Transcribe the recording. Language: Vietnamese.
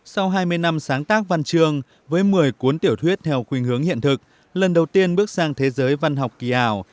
sau hai mươi năm sáng tác văn chương với một mươi cuốn tiểu thuyết theo khuyến hướng hiện thực lần đầu tiên bước sang thế giới văn học kỳ ảo